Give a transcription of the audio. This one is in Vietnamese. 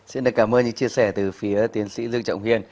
xin cảm ơn những chia sẻ từ phía tiến sĩ dương trọng hiên